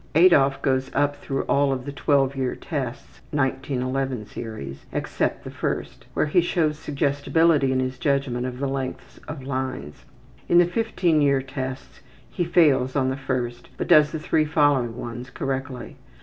Adolf goes up through all of the 12 year tests (1911 series) except the first, where he shows suggestibility in his judgment of the lengths of lines. In the 15 year tests he fails on the first, but does the three following ones correctly.